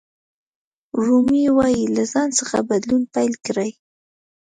رومي وایي له ځان څخه بدلون پیل کړئ.